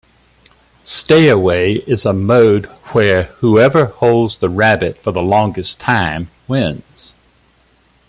Stayaway is a mode where whoever holds the rabbit for the longest time wins.